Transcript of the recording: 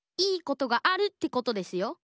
いいことがあるってことですよ。